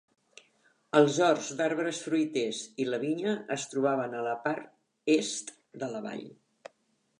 Els horts d'arbres fruiters i la vinya es trobaven a la part est de la vall.